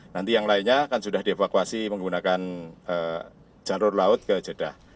nanti yang lainnya akan sudah dievakuasi menggunakan jalur laut ke jeddah